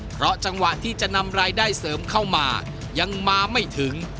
เพราะจังหวะที่จะนำรายได้เสริมเข้ามายังมาไม่ถึง